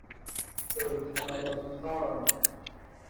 ترکمنستان